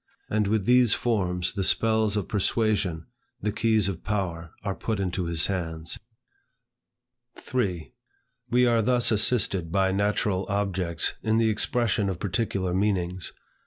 And with these forms, the spells of persuasion, the keys of power are put into his hands. 3. We are thus assisted by natural objects in the expression of particular meanings.